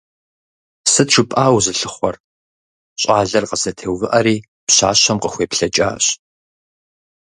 Сыт жыпӀа узылъыхъуэр? – щӀалэр къызэтеувыӀэри, пщащэм къыхуеплъэкӀащ.